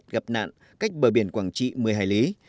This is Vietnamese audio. gặp nạn cách bờ biển quảng trị một mươi hải lý